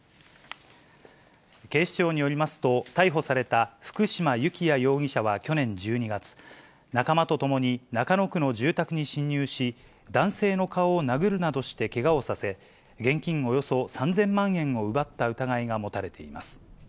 警視庁によりますと、逮捕された福嶋幸也容疑者は去年１２月、仲間と共に中野区の住宅に侵入し、男性の顔を殴るなどしてけがをさせ、現金およそ３０００万円を奪った疑いが持たれています。